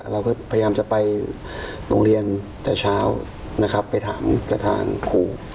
เราก็พยายามจะไปโรงเรียนแต่เช้านะครับไปถามกับทางครู